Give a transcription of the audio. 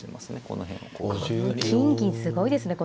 この金銀すごいですね